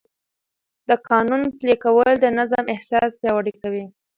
د قانون پلي کول د نظم احساس پیاوړی کوي.